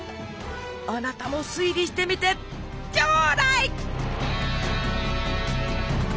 あなたも推理してみてちょだい！